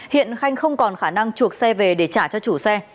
hiện khanh không còn khả năng chuộc xe về để trả cho chủ xe